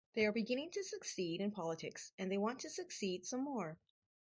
They are beginning to succeed in politics and they want to succeed some more.